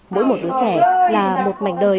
mỗi một đứa trẻ là một mảnh đời